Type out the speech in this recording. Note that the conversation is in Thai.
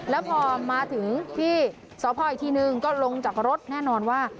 แล้วพอมาถึงที่สพอีกทีนึงก็ลงจากรถแน่นอนว่า